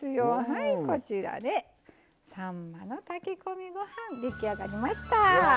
はいこちらでさんまの炊き込みご飯出来上がりました。